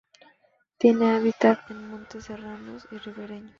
Tiene hábitat en montes serranos y ribereños.